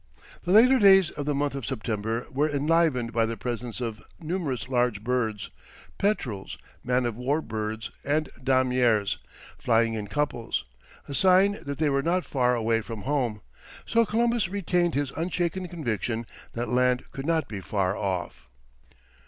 The latter days of the month of September were enlivened by the presence of numerous large birds, petrels, man of war birds, and damiers, flying in couples, a sign that they were not far away from home. So Columbus retained his unshaken conviction that land could not be far off.